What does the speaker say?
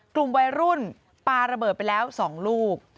กลุ่มวัยรุ่นปลาระเบิดไปแล้ว๒ลูก